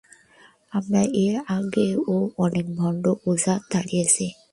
আমরা এর আগেও অনেক ভণ্ড ওঝা তাড়িয়েছি।